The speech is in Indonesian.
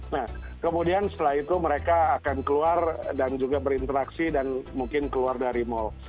nah kemudian setelah itu mereka akan keluar dan juga berinteraksi dan mungkin keluar dari mal